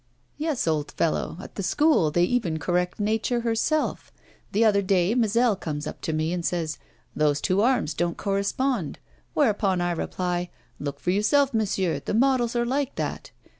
'Yes, old fellow; at the School they even correct Nature herself. The other day Mazel comes up to me and says: "Those two arms don't correspond"; whereupon I reply: "Look for yourself, monsieur the model's are like that."